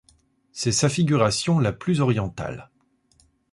C'est sa figuration la plus orientale.